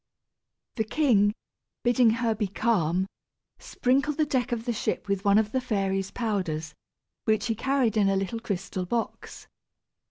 The king, bidding her be calm, sprinkled the deck of the ship with one of the fairy's powders, which he carried in a little crystal box.